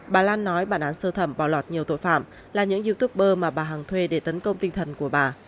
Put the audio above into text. bà lan nói bản án sơ thẩm vào loạt nhiều tội phạm là những youtuber mà bà hằng thuê để tấn công tinh thần của bà